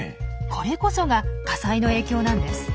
これこそが火災の影響なんです。